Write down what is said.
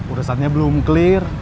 urusannya belum clear